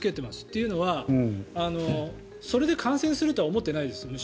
というのは、それで感染するとは思っていないです。